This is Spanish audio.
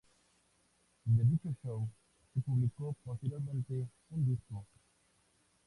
De dicho show se publicó posteriormente un disco.